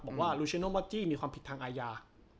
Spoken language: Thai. บอกว่ามอสจี้มีความผิดทางอายา